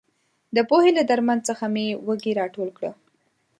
د پوهې له درمن څخه مې وږي راټول کړي.